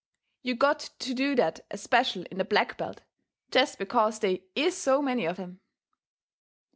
You got to do that especial in the black belt, jest because they IS so many of 'em.